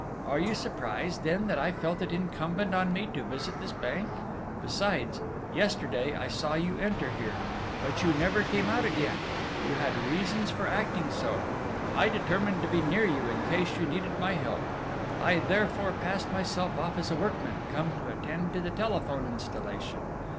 Are you surprised then that I felt it incumbent on me to visit this bank?... Besides, yesterday, I saw you enter here; but you never came out again! You had reasons for acting so. I determined to be near you, in case you needed my help. I therefore passed myself off as a workman come to attend to the telephone installation.